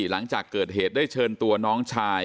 หลังจากเกิดเหตุได้เชิญตัวน้องชาย